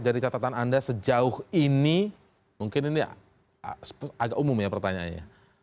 jadi catatan anda sejauh ini mungkin ini agak umum ya pertanyaannya